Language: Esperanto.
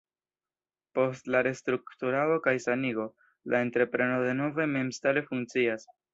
Post la restrukturado kaj sanigo, la entrepreno denove memstare funkcias.